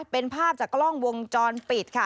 เป็นภาพจากกล้องวงจรปิดค่ะ